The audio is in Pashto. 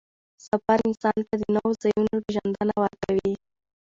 سفر انسان ته د نوو ځایونو پېژندنه ورکوي